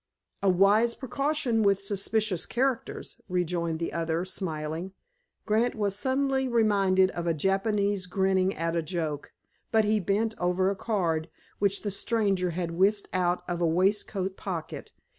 "A wise precaution with suspicious characters," rejoined the other, smiling. Grant was suddenly reminded of a Japanese grinning at a joke, but he bent over a card which the stranger had whisked out of a waistcoat pocket.